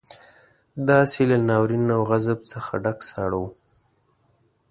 داسې له ناورين او غضب څخه ډک ساړه وو.